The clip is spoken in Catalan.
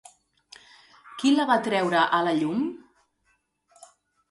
Qui la va treure a la llum?